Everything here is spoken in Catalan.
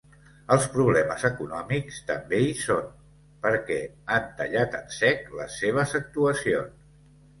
Els problemes econòmics també hi són, perquè han tallat en sec les seves actuacions.